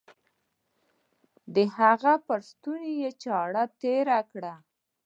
د هغه پر ستوني يې چاړه تېره کړه.